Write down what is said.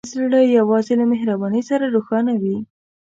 زړه یوازې له مهربانۍ سره روښانه وي.